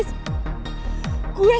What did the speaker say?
pertunjukan riz kejar